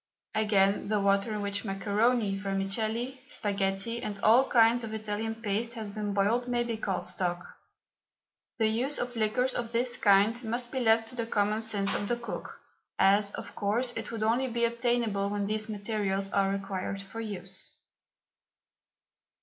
Again, the water in which macaroni, vermicelli, sparghetti, and all kinds of Italian paste has been boiled, may be called stock. The use of liquors of this kind must be left to the common sense of the cook, as, of course, it would only be obtainable when these materials are required for use.